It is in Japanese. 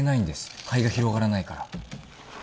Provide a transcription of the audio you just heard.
肺が広がらないから。